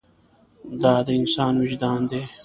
دا د انسان وجدان دی.